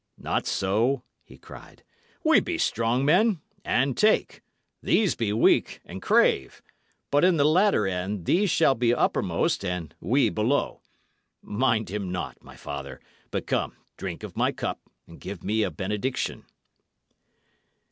"Not so," he cried. "We be strong men, and take; these be weak, and crave; but in the latter end these shall be uppermost and we below. Mind him not, my father; but come, drink of my cup, and give me a benediction."